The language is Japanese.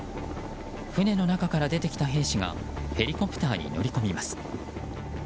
船の中から出てきた兵士がヘリコプターに乗り込みます。